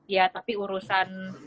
ya tapi urusan